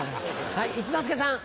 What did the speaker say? はい一之輔さん。